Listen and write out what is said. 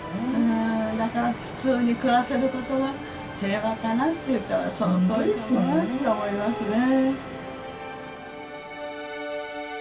だから普通に暮らせることが平和かなというとそのとおりかもねと思いますね。